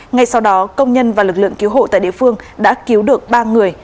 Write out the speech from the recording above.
ngay sau đó công nhân và lực lượng cứu hộ tại địa phương đã cứu được ba người